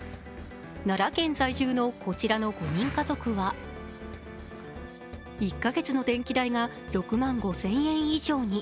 奈良県在住の、こちらの５人家族は、１か月の電気代が６万５０００円以上に。